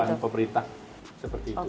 harapan pemerintah seperti itu